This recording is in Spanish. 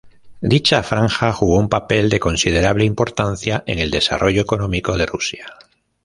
Dicha franja jugó un papel de considerable importancia en el desarrollo económico de Rusia.